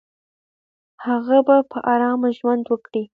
هغه به په آرامه ژوند وکړي.